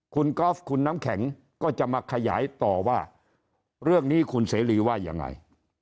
คุณกอล์ฟคุณน้ำแข็งก็จะมาขยายต่อว่าเรื่องนี้คุณเสรีว่ายังไง